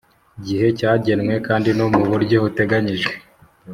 gihe cyagenwe kandi no mu buryo buteganyijwe